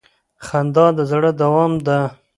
خندا د زړه دوا ده.